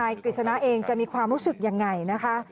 นายเกษณะเองจะมีความรู้สึกอย่างไงนะคะ